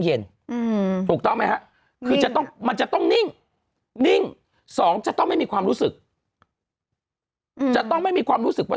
ยุ่งต้องมิมันจะต้องนิ่งส่อมก็ไม่มีความรู้สึกอ่ายนะเราไม่มีความรู้สึกว่า